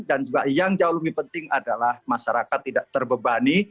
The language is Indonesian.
dan juga yang jauh lebih penting adalah masyarakat tidak terbebani